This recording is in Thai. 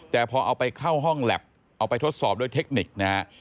แต่พอเอาไปเข้าห้องแล็บเอาไปทดสอบด้วยเทคนิคนะฮะ